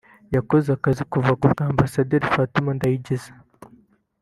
yakoze akazi kuva ku bwa Ambasaderi Fatuma Ndangiza